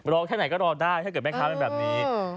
แค่ไหนก็รอได้ถ้าเกิดแม่ค้าเป็นแบบนี้